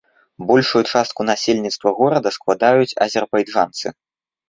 Большую частку насельніцтва горада складаюць азербайджанцы.